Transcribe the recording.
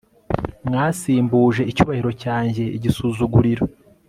mwasimbje icyubahiro cyanjye igisuzuguriro